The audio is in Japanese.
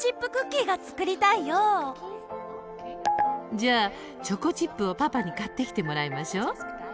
じゃあチョコチップをパパに買ってきてもらいましょう。